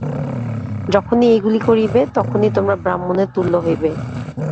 যখনই এইগুলি করিবে, তখনই তোমরা ব্রাহ্মণের তুল্য হইবে।